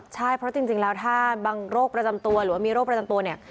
ใช่เพราะจริงแล้วถ้าบางโรคประจำตัวหรือว่ามีโรคประจำตัวเนี่ย